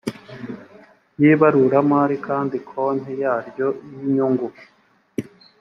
y ibaruramari kandi konti yaryo y inyungu